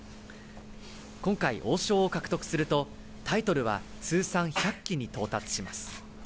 今回、王将を獲得するとタイトルは通算１００期に到達します